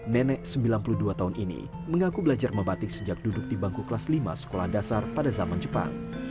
nenek sembilan puluh dua tahun ini mengaku belajar membatik sejak duduk di bangku kelas lima sekolah dasar pada zaman jepang